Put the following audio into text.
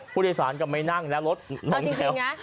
ผู้โดยสารก็ไม่นั่งแล้วรถลงแถว